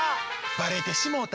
バレてしもうた！